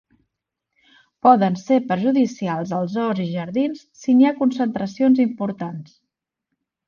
Poden ser perjudicials als horts i jardins si n'hi ha concentracions importants.